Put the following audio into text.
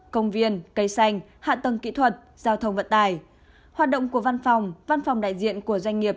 công viên cây xanh hạ tầng kỹ thuật giao thông vận tài hoạt động của văn phòng văn phòng đại diện của doanh nghiệp